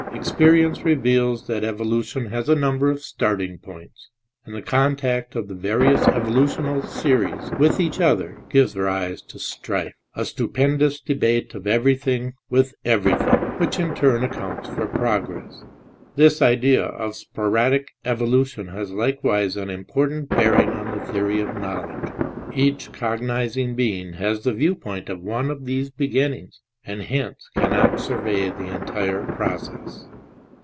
Experience reveals that evolution has a number of starting points, and the contact of the various evolu tional scries with each other gives rise to strife, "a stu pendous debate of everything with everything," which in turn accounts for progress. This idea of sporadic evolu tion has likewise an important bearing on the theory of knowledge: each cognizing being has the viewpoint of one of these beginnings and hence cannot survey the entire process.